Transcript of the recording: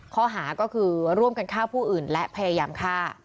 ข้อหาก็คือร่วมกันฆ่าผู้อื่นและพยายามฆ่า